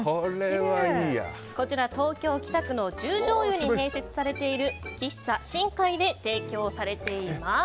こちら、東京・北区の十條湯に併設されている喫茶深海で提供されています。